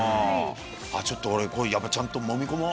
ちょっと俺、これ、やっぱりちゃんともみ込もう。